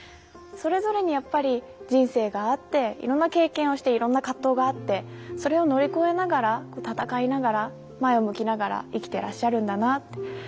それぞれにやっぱり人生があっていろんな経験をしていろんな葛藤があってそれを乗り越えながら闘いながら前を向きながら生きていらっしゃるんだなって。